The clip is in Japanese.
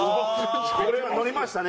これはノリましたね。